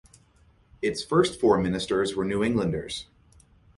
Its first four ministers were New Englanders.